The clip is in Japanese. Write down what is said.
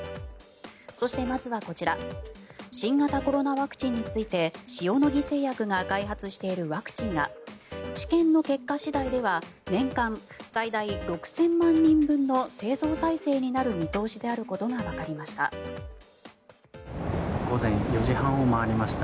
そして、まずはこちら新型コロナワクチンについて塩野義製薬が開発しているワクチンが治験の結果次第では年間最大６０００万人分の製造体制になる見通しであることがわかりました。